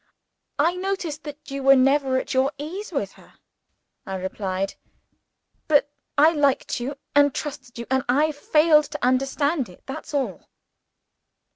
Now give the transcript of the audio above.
"I noticed that you were never at your ease with her," I replied. "But I liked you and trusted you and I failed to understand it. That's all."